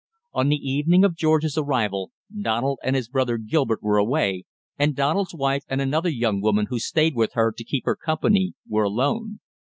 On the evening of George's arrival, Donald and his brother Gilbert were away, and Donald's wife and another young woman who stayed with her to keep her company were alone.